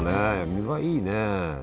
見栄えいいね。